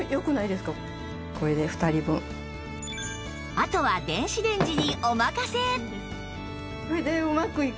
あとは電子レンジにお任せ